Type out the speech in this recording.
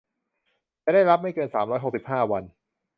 จะได้รับไม่เกิน สามร้อยหกสิบห้า วัน